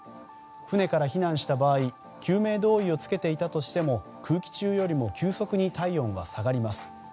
船から避難した場合救命胴衣を着けていたとしても空気中よりも急速に体温が下がります。